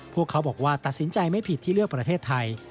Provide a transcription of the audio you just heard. พวกเขาบอกว่าตัดสินใจไม่ผิดที่เลือกประเทศไทย